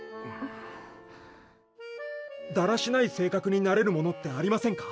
だらしない性格になれるものってありませんか？